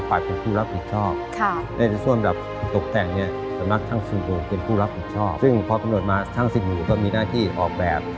อะไรส่วนหรอก